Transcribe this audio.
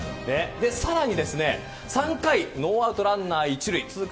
さらに、３回ノーアウトランナー一塁続く